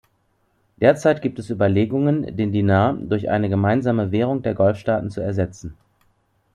Derzeit gibt es Überlegungen, den Dinar durch eine gemeinsame Währung der Golfstaaten zu ersetzen.